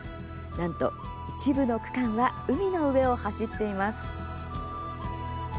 なんと一部の区間は海の上を走っています。